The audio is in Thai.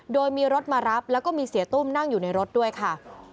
โดยมีรถมารับแล้วก็มีเสียตุ้มนั่งอยู่ในรถด้วยค่ะ